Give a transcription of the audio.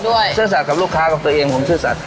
กับตัวเองด้วยเสื้อสัตว์กับลูกค้ากับตัวเองผมเสื้อสัตว์